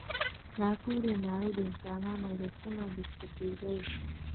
د ټولې نړۍ د انسانانو روحونه دې په کې ځای شي.